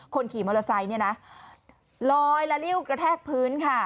คนขี่มอเตอร์ไซค์เนี่ยนะลอยละริ้วกระแทกพื้นค่ะ